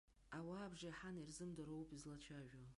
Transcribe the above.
Ауаа абжеиҳан ирзымдыруа ауп излацәажәо.